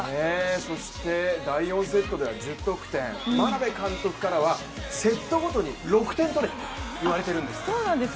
そして第４セットでは１０得点眞鍋監督からはセットごとに６点取れと言われているんです。